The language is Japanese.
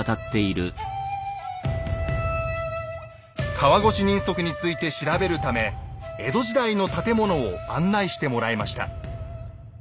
川越人足について調べるため江戸時代の建物を案内してもらいました。